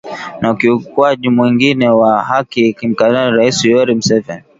na ukiukwaji mwingine wa haki akimtaka Rais Yoweri Museveni